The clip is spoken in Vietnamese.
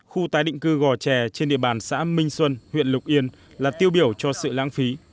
khu tái định cư gò trè trên địa bàn xã minh xuân huyện lục yên là tiêu biểu cho sự lãng phí